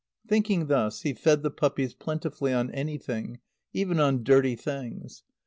Thinking thus, he fed the puppies plentifully on anything, even on dirty things.